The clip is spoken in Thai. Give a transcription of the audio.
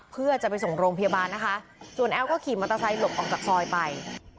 เพื่อจะไปส่งโรงพยาบาลนะคะส่วนแอลก็ขี่มอเตอร์ไซค์หลบออกจากซอยไป